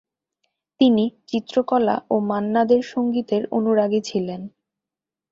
তিনি চিত্রকলা ও মান্না দের সংগীতের অনুরাগী ছিলেন।